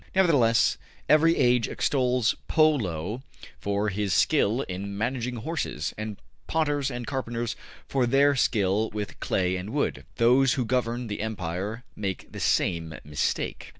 Nevertheless, every age extols Po Lo for his skill in managing horses, and potters and carpenters for their skill with clay and wood. Those who govern the empire make the same mistake.